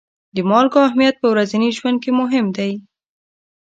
د مالګو اهمیت په ورځني ژوند کې مهم دی.